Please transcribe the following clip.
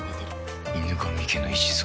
「『犬神家の一族』」